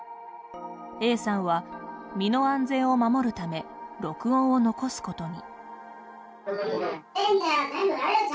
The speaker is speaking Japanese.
Ａさんは身の安全を守るため録音を残すことに。